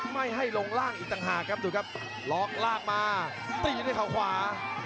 ไม่ให้ลงล่างอีกต่างหากครับดูครับล็อกลากมาตีด้วยเขาขวา